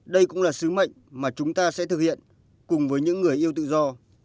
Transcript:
đây cũng là sứ mệnh mà chúng ta sẽ thực hiện cùng với những người yêu tự do